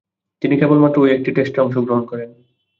তিনি কেবলমাত্র ঐ একটি টেস্টে অংশগ্রহণ করেন।